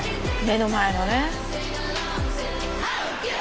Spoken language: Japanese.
目の前のね。